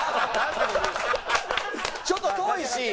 ちょっと遠いし。